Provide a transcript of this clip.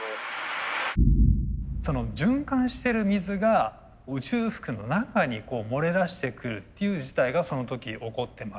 循環してる水が宇宙服の中に漏れ出してくるっていう事態がその時起こってます。